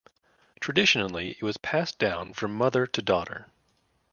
Traditionally it was passed down from mother to daughter.